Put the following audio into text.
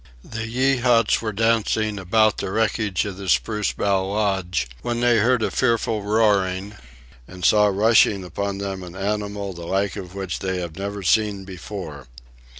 The Yeehats were dancing about the wreckage of the spruce bough lodge when they heard a fearful roaring and saw rushing upon them an animal the like of which they had never seen before.